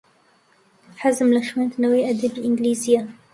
حەزم لە خوێندنەوەی ئەدەبی ئینگلیزییە.